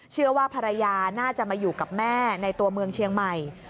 เชื่อว่าภรรยาน่าจะมาอยู่กับแม่ในตัวเมืองเชียงใหม่